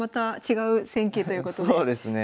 そうですね。